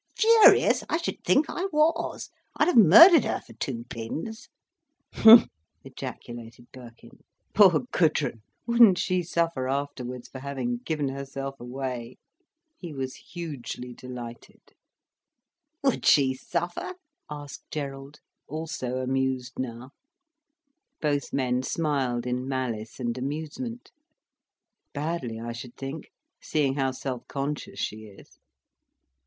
"Furious? I should think I was. I'd have murdered her for two pins." "H'm!" ejaculated Birkin. "Poor Gudrun, wouldn't she suffer afterwards for having given herself away!" He was hugely delighted. "Would she suffer?" asked Gerald, also amused now. Both men smiled in malice and amusement. "Badly, I should think; seeing how self conscious she is."